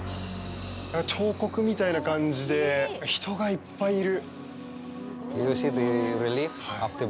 彫刻みたいな感じで、人がいっぱいいる。